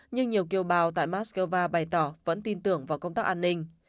nhưng nhiều kiều bào tại moscow bày tỏ vẫn tin tưởng vào công tác an ninh